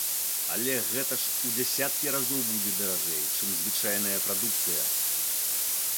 Але гэта ж у дзясяткі разоў будзе даражэй, чым звычайная прадукцыя!